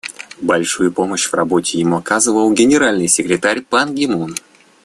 Большую помощь в работе ему оказывал Генеральный секретарь Пан Ги Мун.